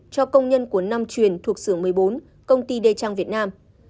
cho công nhân của năm truyền thuộc xưởng một mươi bốn công ty đê trang việt nam